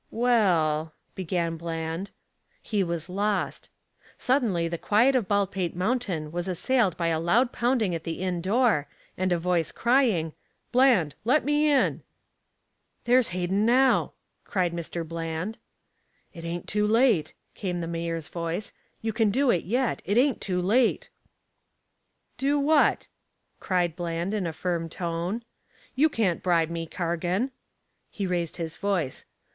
"Well, " began Bland. He was lost. Suddenly the quiet of Baldpate Mountain was assailed by a loud pounding at the inn door, and a voice crying, "Bland. Let me in." "There's Hayden now," cried Mr. Bland. "It ain't too late," came the mayor's voice, "You can do it yet. It ain't too late." "Do what?" cried Bland in a firm tone. "You can't bribe me, Cargan." He raised his voice.